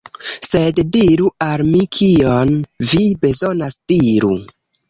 Sed diru al mi kion vi bezonas. Diru!